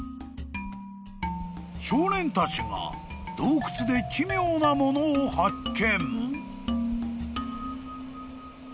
［少年たちが洞窟で奇妙なものを発見］